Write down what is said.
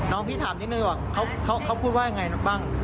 น้องพี่ถามนิดหนึ่งว่าเขาพูดว่าอย่างไรบ้าง